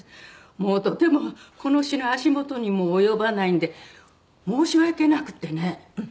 もうとてもこの詩の足元にも及ばないんで申し訳なくてね。